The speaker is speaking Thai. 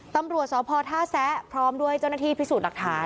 ตำรวจสพท่าแซะพร้อมด้วยเจ้าหน้าที่พิสูจน์หลักฐาน